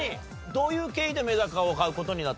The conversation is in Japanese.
どういう経緯でメダカを飼う事になったんですか？